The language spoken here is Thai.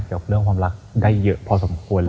กับเรื่องความรักได้เยอะพอสมควรเลย